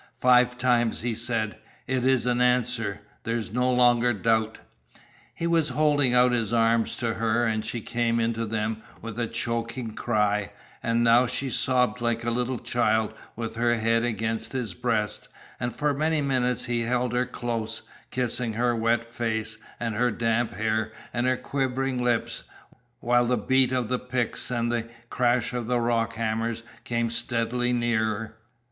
"Five times!" he said. "It is an answer. There is no longer doubt." He was holding out his arms to her, and she came into them with a choking cry; and now she sobbed like a little child with her head against his breast, and for many minutes he held her close, kissing her wet face, and her damp hair, and her quivering lips, while the beat of the picks and the crash of the rock hammers came steadily nearer.